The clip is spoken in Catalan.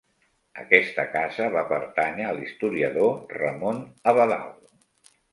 Aquesta casa va pertànyer a l'historiador Ramon Abadal.